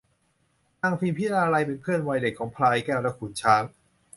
นางพิมพิลาไลยเป็นเพื่อนวัยเด็กของพลายแก้วและขุนช้าง